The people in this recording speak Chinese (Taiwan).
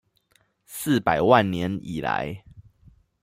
四百萬年以來